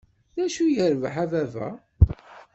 D acu, yirbeḥ a baba".